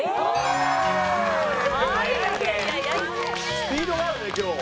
スピードがあるね今日。